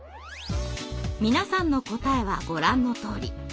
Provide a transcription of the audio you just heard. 皆さんの答えはご覧のとおり。